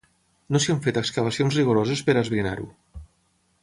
No s'hi han fet excavacions rigoroses per esbrinar-ho.